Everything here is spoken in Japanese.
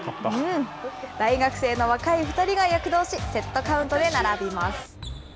大学生の若い２人が躍動し、セットカウントで並びます。